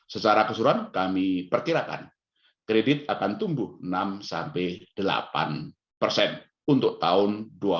secara keseluruhan kami perkirakan kredit akan tumbuh enam sampai delapan persen untuk tahun dua ribu dua puluh